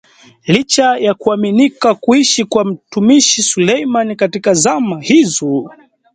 licha ya kuaminika kuishi kwa Mtumi Suleimani katika zama hizo